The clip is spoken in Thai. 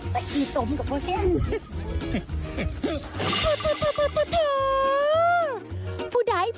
ตะกี้ตมกับพวกเจ้า